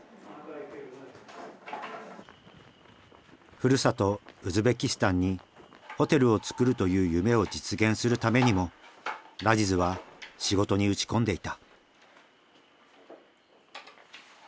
ふるさとウズベキスタンにホテルをつくるという夢を実現するためにもラジズは仕事に打ち込んでいた。